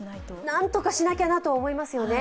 何とかしなきゃなと思いますよね。